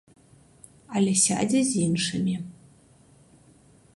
Але сядзе з іншымі.